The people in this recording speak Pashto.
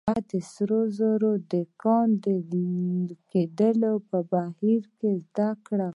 هغه د سرو زرو د کان د کیندلو په بهير کې زده کړل.